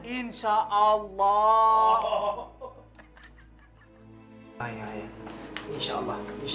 insya allah insya allah